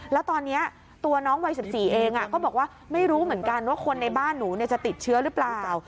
แล้วตอนนี้ตัวน้องวัย๑๔เองก็บอกว่าไม่รู้เหมือนกันว่าคนในบ้านหนูจะติดเชื้อหรือเปล่า